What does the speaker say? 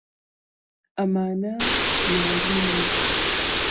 ئەمانە دیارین.